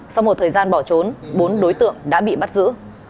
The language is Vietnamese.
sau một thời gian bỏ trốn bốn đối tượng đã bị bắt giữ